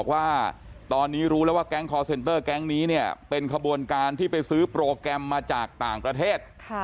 ว่าตอนนี้รู้แล้วว่าแก๊งคอร์เซ็นเตอร์แก๊งนี้เนี่ยเป็นขบวนการที่ไปซื้อโปรแกรมมาจากต่างประเทศ